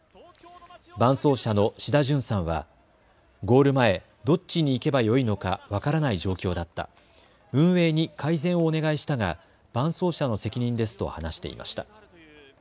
伴走者の志田淳さんはゴール前、どっちに行けばよいのか分からない状況だった運営に改善お願いしたが伴走者の責任ですと話していました。